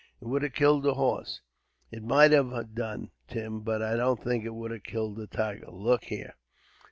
It would have killed a horse." "It might have done, Tim, but I don't think it would have killed a tiger. Look there."